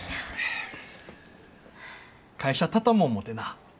会社畳も思てな。